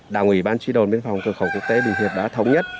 đảng ủy ban trí đồn biên phòng cơ khẩu quốc tế bình hiệp đã thống nhất